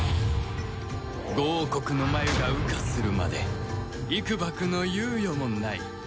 ５王国の繭が羽化するまで幾ばくの猶予もない